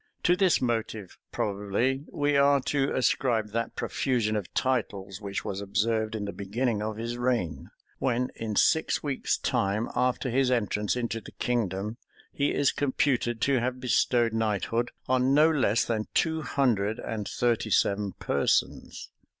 To this motive, probably, we are to ascribe that profusion of titles which was observed in the beginning of his reign; when, in six weeks' time after his entrance into the kingdom, he is computed to have bestowed knighthood on no less than two hundred and thirty seven persons.